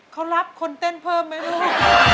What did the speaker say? เขารับคนเต้นเพิ่มไหมลูก